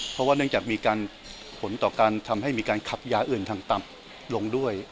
เพราะว่าเนื่องจากมีการผลต่อการทำให้มีการขับยาอื่นทางต่ำลงด้วย